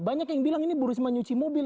banyak yang bilang ini burisma nyuci mobil